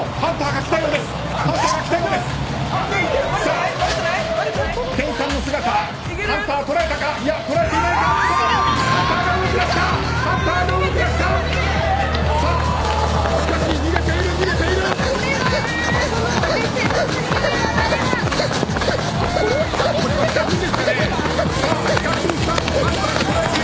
しかし逃げている！